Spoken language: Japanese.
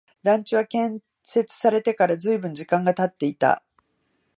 団地は建設されてから随分時間が経っていた